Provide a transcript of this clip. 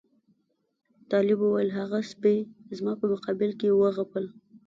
طالب وویل هغه سپي زما په مقابل کې وغپل.